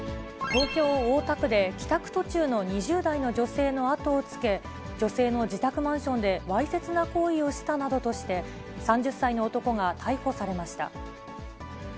東京・大田区で、帰宅途中の２０代の女性の後をつけ、女性の自宅マンションでわいせつな行為をしたなどとして、３０歳の男が逮捕されました。